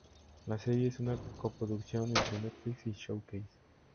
La serie es una coproducción entre Netflix y Showcase.